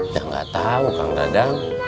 ya enggak tahu kang dadang